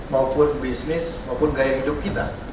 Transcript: maupun bisnis maupun gaya hidup kita